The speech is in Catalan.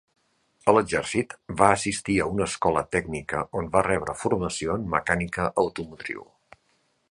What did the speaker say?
A l'Exèrcit, va assistir a una escola tècnica on va rebre formació en mecànica automotriu.